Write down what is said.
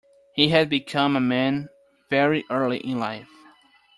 He had become a man very early in life.